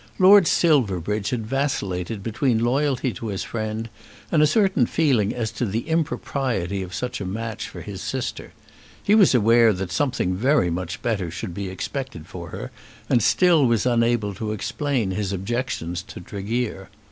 Lord Silverbridge had vacillated between loyalty to his friend and a certain feeling as to the impropriety of such a match for his sister. He was aware that something very much better should be expected for her, and still was unable to explain his objections to Tregear.